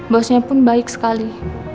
bosnya pun baik sekali